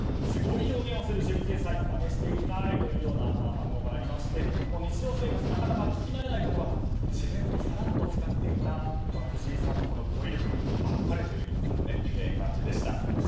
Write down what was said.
すごい表現をする１９歳まねしていきたいというような反応がありまして、日常生活でなかなか聞き慣れない言葉を自然とさらっと使っていた藤井さんの語彙力あっぱれという感じでした。